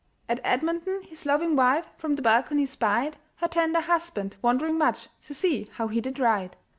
At Edmonton his loving wife From the balcony spied Her tender husband, wondering much To see how he did ride.